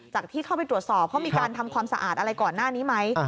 ที่เข้าไปตรวจสอบเขามีการทำความสะอาดอะไรก่อนหน้านี้ไหม